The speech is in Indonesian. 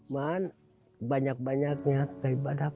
man banyak banyaknya daripada pada lupa